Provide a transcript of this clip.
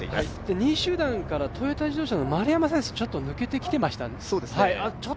２位集団からトヨタ自動車の丸山選手が抜けてきました。